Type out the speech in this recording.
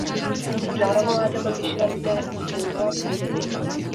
Kilogramo bateko pisua dute helduak direnean.